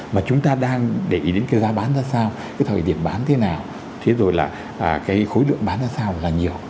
mà chúng ta đang để ý đến cái giá bán ra sao cái thời điểm bán thế nào thế rồi là cái khối lượng bán ra sao là nhiều